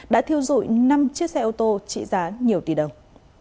đã thiêu dụi năm chiếc xe ô tô trị giá nhiều tỷ đồng